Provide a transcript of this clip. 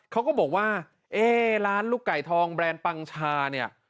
เขาก็บอกว่าร้านลูกไก่ทองแบรนด์ปังชา